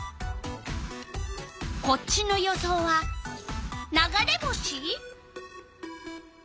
こっちの予想は「流れ星」？